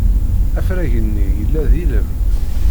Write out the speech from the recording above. Afrag-nni yella d ilem.